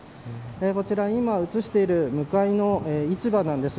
こちら、今映している向かいの市場です。